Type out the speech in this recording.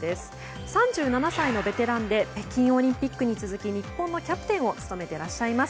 ３７歳のベテランで北京オリンピックに続き日本のキャプテンを務めていらっしゃいます。